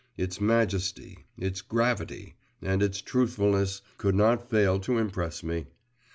its majesty, its gravity, and its truthfulness could not fail to impress me.